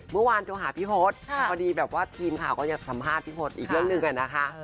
เมื่อวานโทรหาพี่พศพอดีแบบว่าทีมข่าวก็อยากสัมภาษณ์พี่พศอีกเรื่องหนึ่งอะนะคะ